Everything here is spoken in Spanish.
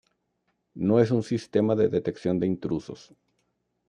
No es un sistema de detección de intrusos.